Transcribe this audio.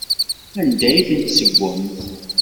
Anda i ten-tessewwemt?